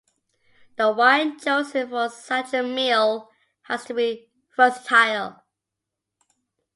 The wine chosen for such a meal has to be versatile.